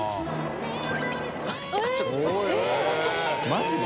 マジで？